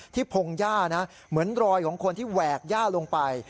พงหญ้านะเหมือนรอยของคนที่แหวกย่าลงไป